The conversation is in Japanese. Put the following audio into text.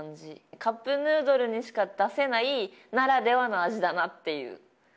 カップヌードルにしか出せないならではの味だなという。